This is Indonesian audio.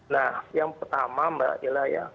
nah yang pertama mbak nila ya